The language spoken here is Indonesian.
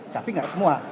tapi nggak semua